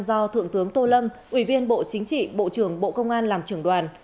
do thượng tướng tô lâm ủy viên bộ chính trị bộ trưởng bộ công an làm trưởng đoàn